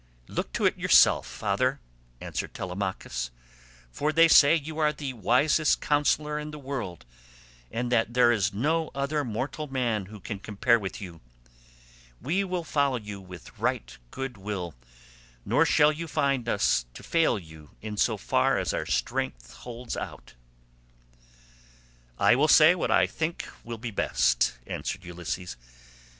"Look to it yourself, father," answered Telemachus, "for they say you are the wisest counsellor in the world, and that there is no other mortal man who can compare with you. We will follow you with right good will, nor shall you find us fail you in so far as our strength holds out." "I will say what I think will be best," answered Ulysses.